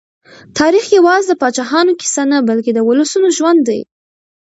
تاریخ یوازې د پاچاهانو کیسه نه، بلکې د ولسونو ژوند دی.